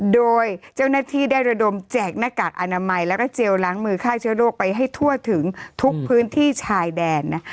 โดยเจ้าหน้าที่ได้ระดมแจกหน้ากากอนามัยแล้วก็เจลล้างมือฆ่าเชื้อโรคไปให้ทั่วถึงทุกพื้นที่ชายแดนนะ